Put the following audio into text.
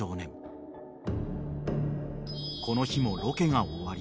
［この日もロケが終わり］